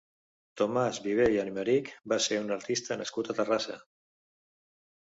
Tomàs Viver i Aymerich va ser un artista nascut a Terrassa.